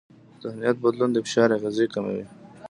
ذهنیت بدلون د فشار اغېزې کموي.